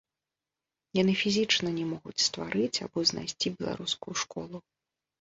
Яны фізічна не могуць стварыць або знайсці беларускую школу.